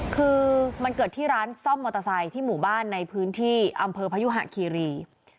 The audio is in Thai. คือมันเกิดที่ร้านซ่อมมอเตอร์ไซค์ที่หมู่บ้านในพื้นที่อำเภอพยุหะคีรี